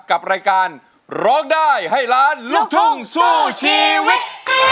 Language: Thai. กับรายการร้องได้ให้ล้านลูกทุ่งสู้ชีวิต